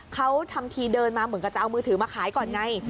เขาทำทีเดินมาเหมือนกับจะเอามือถือมาขายก่อนไง